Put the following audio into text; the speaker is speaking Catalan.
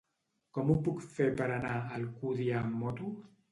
Com ho puc fer per anar a Alcúdia amb moto?